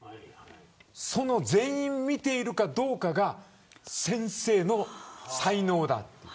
その全員、見ているかどうかが先生の才能だ。